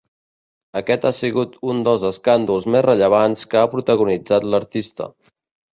Aquest ha sigut un dels escàndols més rellevants que ha protagonitzat l'artista.